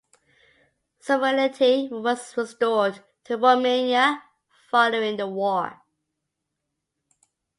Sovereignty was restored to Romania following the war.